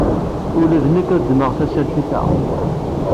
Ula d nekk ad ddmeɣ tasertit-a.